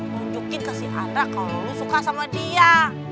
tunjukin ke si andra kalo lu suka sama dia